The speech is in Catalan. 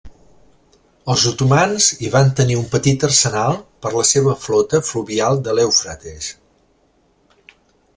Els otomans hi van tenir un petit arsenal per la seva flota fluvial de l'Eufrates.